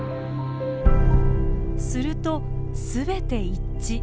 すると全て一致。